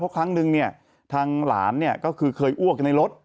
เพราะครั้งนึงเนี่ยทางหลานเนี่ยก็คือเคยอ้วกในรถ